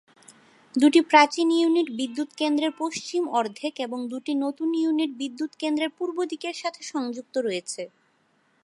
দুটি প্রাচীন ইউনিট বিদ্যুৎ কেন্দ্রের পশ্চিম অর্ধেক এবং দুটি নতুন ইউনিট বিদ্যুৎ কেন্দ্রের পূর্ব দিকের সাথে সংযুক্ত রয়েছে।